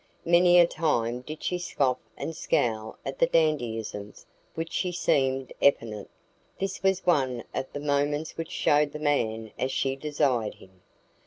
Many a time did she scoff and scowl at the dandyisms which she deemed effeminate; this was one of the moments which showed the man as she desired him.